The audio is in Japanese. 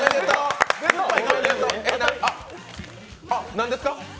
何ですか？